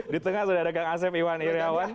di tengah sudah ada kang asep iwan iryawan